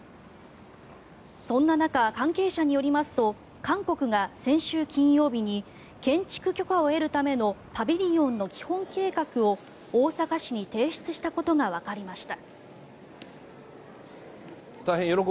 そんな中、関係者によりますと韓国が先週金曜日に建築許可を得るためのパビリオンの基本計画を大阪市に提出したことがわかりました。